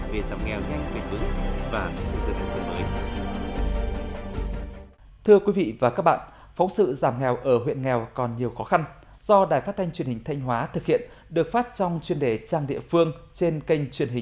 về giảm nghèo nhanh bền vững và sử dụng thông tin mới